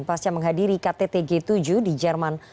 pasca menghadiri kttg tujuh di jerman